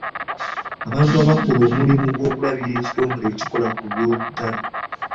Abantu abakola omulimu ogw'okulabirira ekitongole ekikola ku by'obutale.